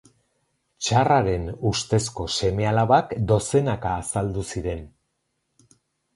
Tsarraren ustezko seme-alabak dozenaka azaldu ziren.